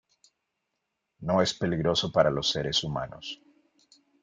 No es peligroso para los seres humanos.